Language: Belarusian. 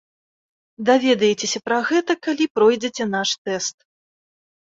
Даведаецеся пра гэта, калі пройдзеце наш тэст.